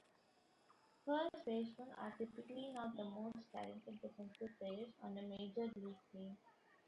First basemen are typically not the most talented defensive players on a major-league team.